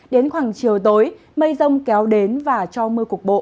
đến khoảng chiều tối mây rông kéo đến và cho mưa cục bộ